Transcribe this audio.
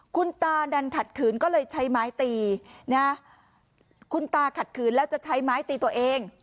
คุณตาดันขัดขืนก็เลยใช้ไม้ตีนะคุณตาขัดขืนแล้วจะใช้ไม้ตีตัวเอง